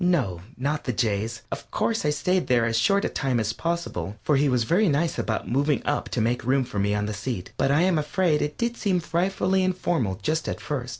No, not the Jay's. Of course, I stayed there as short a time as possible, for he was very nice about moving up to make room for me on the seat, but I am afraid it did seem frightfully informal just at first.